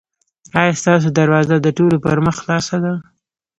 ایا ستاسو دروازه د ټولو پر مخ خلاصه ده؟